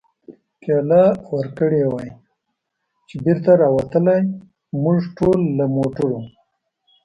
ټېله ورکړې وای، چې بېرته را وتلای، موږ ټول له موټرو.